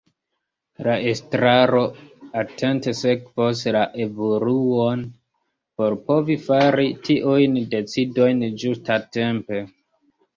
La Estraro atente sekvos la evoluon por povi fari tiujn decidojn ĝustatempe.